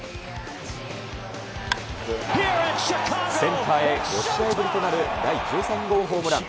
センターへ５試合ぶりとなる、第１３号ホームラン。